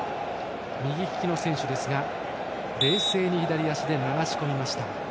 右利きの選手ですが冷静に左足で流し込みました。